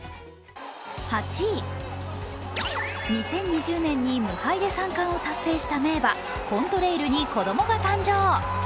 ８位、２０２０年に無敗で３冠を達成した名馬、コントレイルに子供が誕生。